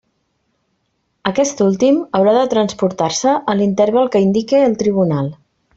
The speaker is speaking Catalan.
Aquest últim haurà de transportar-se a l'interval que indique el tribunal.